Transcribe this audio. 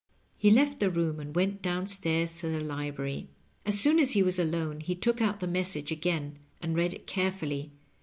He left the room and weut down stairs to the library. As soon as he was alone he took out the message again and read it carefully.